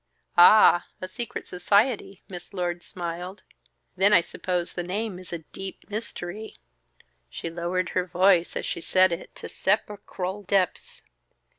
"Ah, a secret society!" Miss Lord smiled. "Then I suppose the name is a DEEP MYSTERY." She lowered her voice, as she said it, to sepulchral depths.